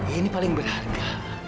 ini paling berharga